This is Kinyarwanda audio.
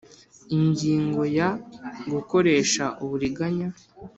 Ingingo ya Gukoresha uburiganya